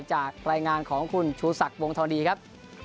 จากรายงานของคุณชูสักวงธรีครับ